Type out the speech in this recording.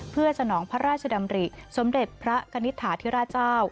เพื่อสนองพระราชดำริสมเด็จพระคณิตฐาธิราชเจ้า